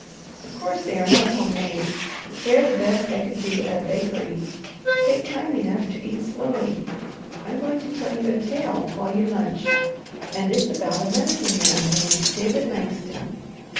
Of course they are not home made they are the best I could do at a bakery. Take time enough to eat slowly. I'm going to tell you a tale while you lunch, and it's about a Medicine Man named David Langston.